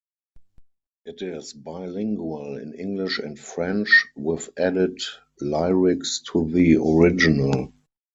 It is bilingual in English and French with added lyrics to the original.